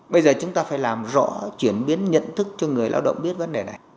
bây giờ chúng ta phải làm rõ chuyển biến nhận thức cho người lao động biết vấn đề này